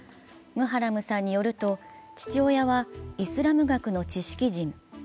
ムハラムさんによると父親はイスラム学の知識人。